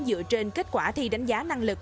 dựa trên kết quả thi đánh giá năng lực